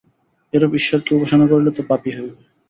এরূপ ঈশ্বরকে উপাসনা করিলে তো পাপই হইবে।